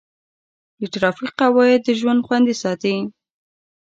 د ټرافیک قواعد د ژوند خوندي ساتي.